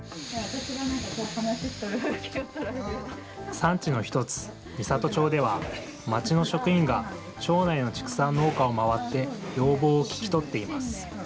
産地の一つ、美郷町では、町の職員が町内の畜産農家を回って、要望を聞き取っています。